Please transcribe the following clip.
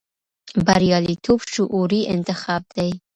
بریالیتوب شعوري انتخاب دی.